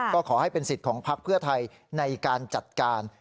ก็ขอให้เป็นสิทธิ์ของพักเพื่อไทยในการจัดการ